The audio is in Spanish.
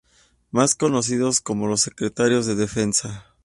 Más conocidos como "Los Secretarios de Defensa".